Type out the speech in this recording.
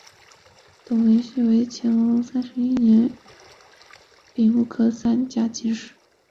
董文驹为乾隆三十一年丙戌科三甲进士。